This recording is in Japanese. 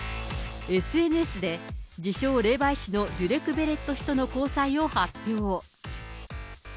ＳＮＳで自称、霊媒師のデュレク・ベレット氏との交際を発表。